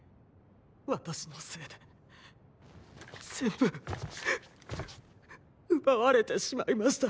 私のせいで全部奪われてしまいました。